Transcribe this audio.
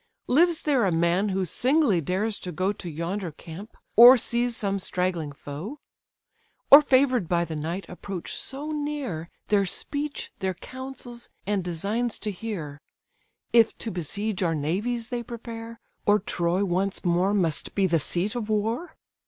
Lives there a man, who singly dares to go To yonder camp, or seize some straggling foe? Or favour'd by the night approach so near, Their speech, their counsels, and designs to hear? If to besiege our navies they prepare, Or Troy once more must be the seat of war?